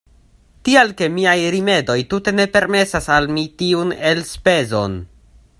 Tial ke miaj rimedoj tute ne permesas al mi tiun elspezon.